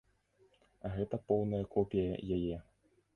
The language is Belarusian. Гэта поўная копія яе!